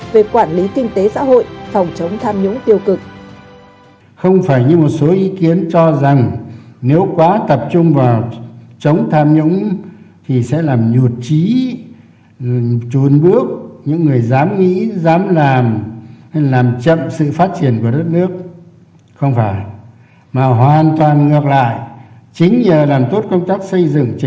về quản lý kinh tế xã hội phòng chống tham nhũng tiêu cực